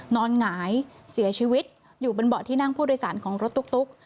หงายเสียชีวิตอยู่บนเบาะที่นั่งผู้โดยสารของรถตุ๊ก